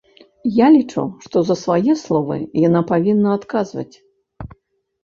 Я лічу, што за свае словы яна павінна адказваць.